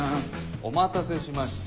お待たせしました。